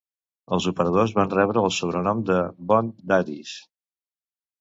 Els operadors van rebre el sobrenom de Bond Daddies.